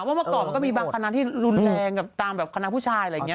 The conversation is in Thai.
เมื่อก่อนมันก็มีบางคณะที่รุนแรงกับตามแบบคณะผู้ชายอะไรอย่างนี้